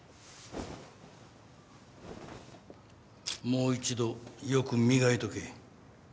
もう一度よく磨いとけ。